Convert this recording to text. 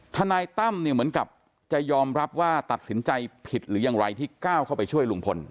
ทนายตั้มเนี่ยเหมือนกับจะยอมรับว่าตัดสินใจผิดหรือยังไรที่ก้าวเข้าไปช่วยลุงพล